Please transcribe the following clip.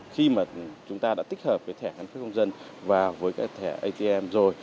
khi mà chúng ta đã tích hợp với thẻ căn cấp công dân và với thẻ atm rồi